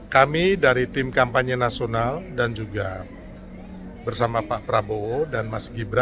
kami dari tim kampanye nasional dan juga bersama pak prabowo dan mas gibran